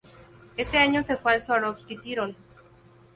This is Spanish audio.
Ese año se fue al Swarovski Tirol.